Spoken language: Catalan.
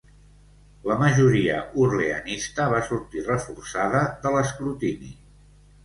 La majoria orleanista va sortir reforçada de l'escrutini.